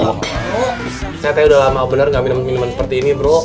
saya tadi udah lama bener gak minum minuman seperti ini bro